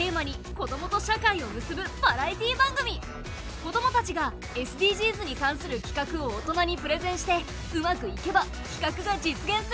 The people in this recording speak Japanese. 子どもたちがＳＤＧｓに関するきかくを大人にプレゼンしてうまくいけばきかくが実現するよ！